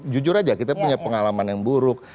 jujur aja kita punya pengalaman yang buruk